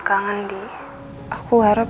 kangen di aku harap